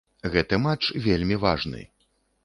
Гэты матч вельмі важны.